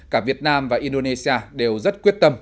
cả việt nam và indonesia đều rất quyết tâm